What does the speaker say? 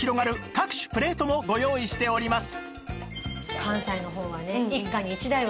各種プレートもご用意しております